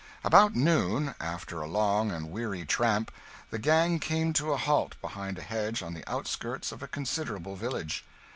About noon, after a long and weary tramp, the gang came to a halt behind a hedge on the outskirts of a considerable village.